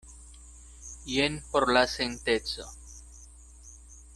Jen por la senteco.